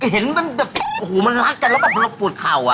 เห็นมันโอ้โฮมันรักกันแล้วแต่มันปลูดเข่า